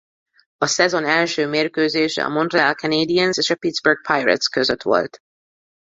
A szezon első mérkőzése a Montréal Canadiens és a Pittsburgh Pirates között volt.